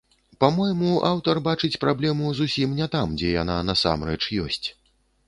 Па-мойму, аўтар бачыць праблему зусім не там, дзе яна насамрэч ёсць.